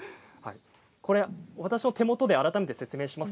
私の手元で改めて説明します。